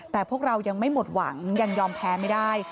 แต่พวกเรายังไม่หมดหวังยังยอมแพ้ไม่ได้